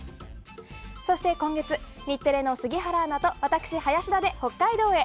そして今月日テレの杉原アナと私、林田で北海道へ。